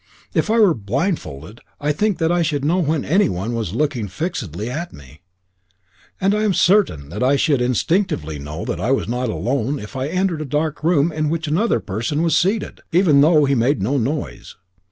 If I were blindfolded, I think that I should know when anyone was looking fixedly at me, and I am certain that I should instinctively know that I was not alone if I entered a dark room in which another person was seated, even though he made no noise.